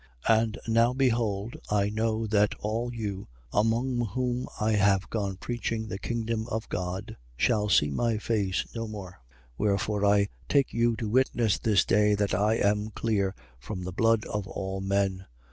20:25. And now behold, I know that all you, among whom I have gone preaching the kingdom of God, shall see my face no more. 20:26. Wherefore I take you to witness this day that I am clear from the blood of all men.